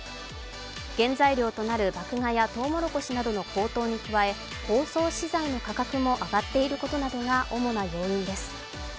原材料となる麦芽やとうもろこしなどの高騰に加え包装資材の価格も上がっていることなどが主な要因です。